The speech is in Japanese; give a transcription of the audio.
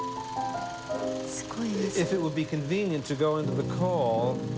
すごい。